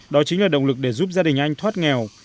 đó chính là động lực để giúp gia đình anh thoát nghèo